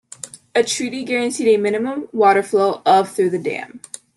A treaty guaranteed a minimum water flow of through the dam.